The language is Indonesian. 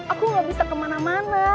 aku gak bisa kemana mana